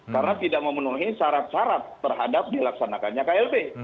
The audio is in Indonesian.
karena tidak memenuhi syarat syarat terhadap dilaksanakannya klb